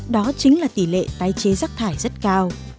đó chính là tỉ lệ tái chế giác thải rất cao